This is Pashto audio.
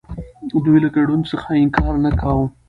دوی له ګډون څخه انکار نه کاوه.